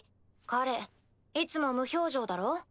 彼いつも無表情だろ？